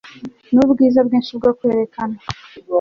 nubwiza bwinshi bwo kwerekana